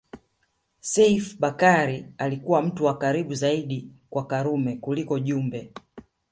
Seif Bakari alikuwa mtu wa karibu zaidi kwa Karume kuliko Jumbe